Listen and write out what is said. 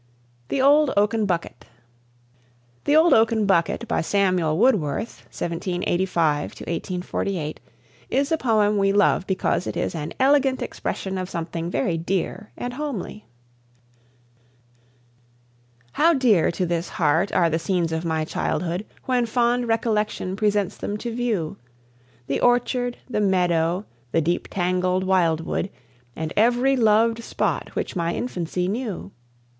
THE OLD OAKEN BUCKET "The Old Oaken Bucket," by Samuel Woodworth (1785 1848), is a poem we love because it is an elegant expression of something very dear and homely. How dear to this heart are the scenes of my childhood, When fond recollection presents them to view! The orchard, the meadow, the deep tangled wild wood, And every loved spot which my infancy knew!